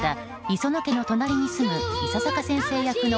磯野家の隣に住む伊佐坂先生役の